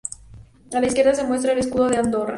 A la izquierda se muestra el escudo de Andorra.